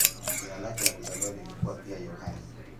Jina lake la kuzaliwa lilikuwa pia "Yohane".